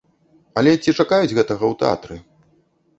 Але ці чакаюць гэтага ў тэатры?